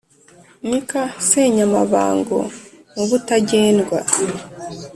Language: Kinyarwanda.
Nica Senyamabango mu Butagendwa;